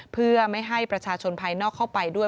เพื่อไม่ให้ประชาชนภายนอกเข้าไปด้วย